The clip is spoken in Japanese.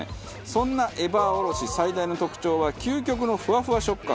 そんなエバーおろし最大の特徴は究極のフワフワ食感です。